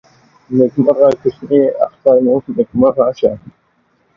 نیکمرغه کوچني اختر مو نیکمرغه ښه.